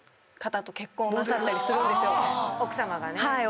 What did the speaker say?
奥さまがね。